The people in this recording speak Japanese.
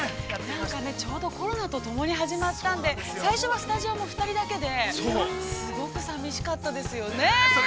◆なんかね、ちょうどコロナととともに始まったんで、最初はスタジオも２人だけで、すごく寂しかったですよね。